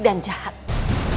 dan mereka juga sangat jahat